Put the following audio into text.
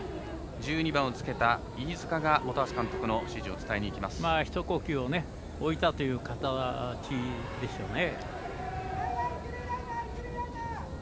１２番をつけた飯塚が本橋監督の指示を一呼吸を置いたという形でしょうね。